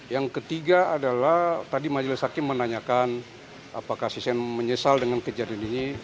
yang ketiga adalah tadi majelis hakim menanyakan apakah sisen menyesal dengan kejadian ini